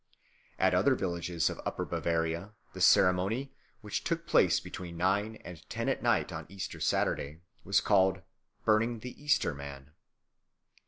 At other villages of Upper Bavaria the ceremony, which took place between nine and ten at night on Easter Saturday, was called "burning the Easter Man."